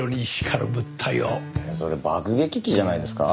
いやそれ爆撃機じゃないですか？